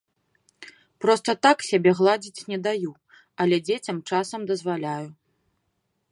Проста так сябе гладзіць не даю, але дзецям часам дазваляю.